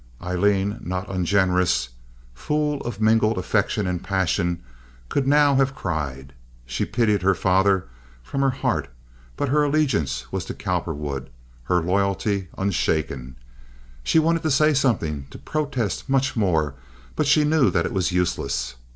Aileen, not ungenerous—fool of mingled affection and passion—could now have cried. She pitied her father from her heart; but her allegiance was to Cowperwood, her loyalty unshaken. She wanted to say something, to protest much more; but she knew that it was useless.